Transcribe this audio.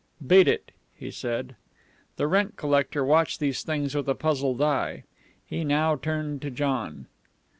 "Beat it," he said. The rent collector watched these things with a puzzled eye. He now turned to John.